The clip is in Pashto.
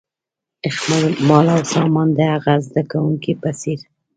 خپل مال او سامان د هغه زده کوونکي په څېر.